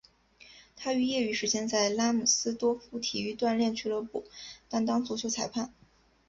他于业余时间在拉姆斯多夫体育锻炼俱乐部担当足球裁判。